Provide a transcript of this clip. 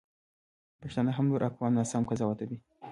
پښتانه هم نور اقوام ناسم قضاوتوي.